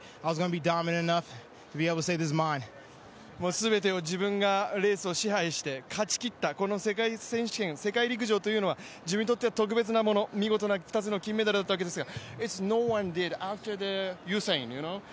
全てを自分がレースを支配して勝ちきった、この世界選手権、世界陸上というのは特別なもの、見事な２つの金メダルだったわけですが。